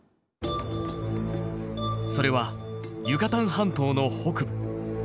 それはユカタン半島の北部。